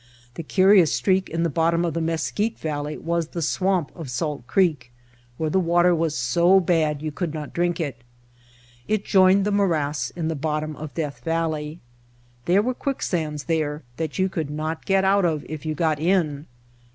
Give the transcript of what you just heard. The curi ous streak in the bottom of the Mesquite Valley was the swamp of Salt Creek, where the water was so bad you could not drink it. It joined the morass in the bottom of Death Valley. There were quicksands there, that you could not get out of if you got in.